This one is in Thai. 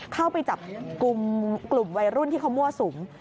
เข้าไปจับกลุ่มวัยรุ่นที่เขามั่วสูง